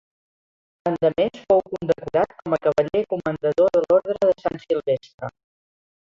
Endemés fou condecorat com a cavaller comanador de l'Orde de Sant Silvestre.